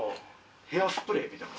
ヘアスプレーみたいな？